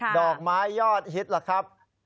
ดอกไม้ยอดฮิตล่ะครับ